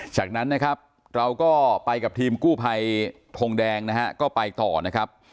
จากนั้นนะครับเราก็ไปกับทีมกู้ภัยทงแดงนะฮะก็ไปต่อนะครับ